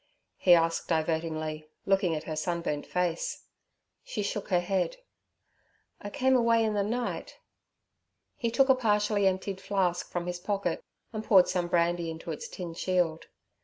he asked divertingly, looking at her sunburnt face. She shook her head. 'I came away in the night.' He took a partially emptied flask from his pocket and poured some brandy into its tin shield.